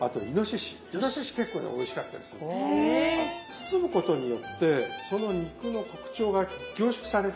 包むことによってその肉の特徴が凝縮される。